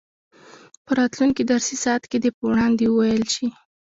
په راتلونکي درسي ساعت کې دې په وړاندې وویل شي.